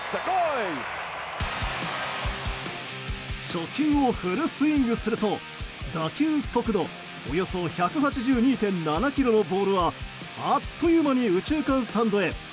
初球をフルスイングすると打球速度およそ１８２．７キロのボールはあっという間に右中間スタンドへ。